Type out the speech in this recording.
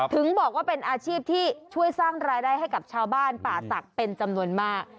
ถึงบอกว่าเป็นอาชีพที่ช่วยสร้างรายได้ให้กับชาวบ้านป่าศักดิ์เป็นจำนวนมาก